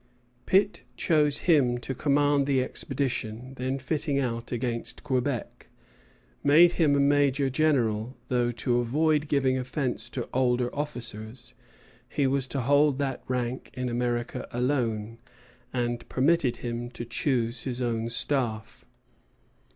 Pitt chose him to command the expedition then fitting out against Quebec; made him a major general, though, to avoid giving offence to older officers, he was to hold that rank in America alone; and permitted him to choose his own staff.